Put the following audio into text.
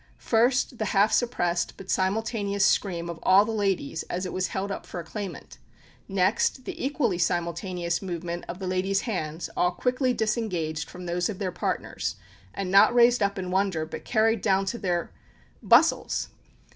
First, the half suppressed but simultaneous scream of all the ladies as it was held up for a claimant; next, the equally simultaneous movement of the ladies' hands, all quickly disengaged from those of their partners, and not raised up in wonder, but carried down to their bustles!